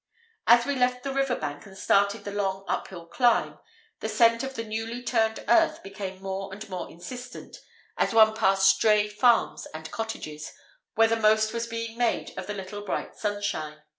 As we left the river bank and started the long uphill climb, the scent of the newly turned earth became more and more insistent as one passed stray farms and cottages, where the most was being made of the little bright sunshine.